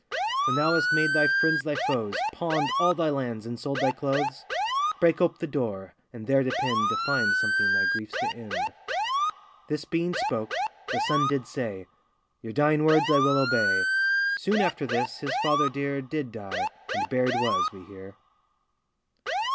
'When thou hast made thy friends thy foes, Pawned all thy lands, and sold thy clothes; Break ope the door, and there depend To find something thy griefs to end.' This being spoke, the son did say, 'Your dying words I will obey.' Soon after this his father dear Did die, and buried was, we hear.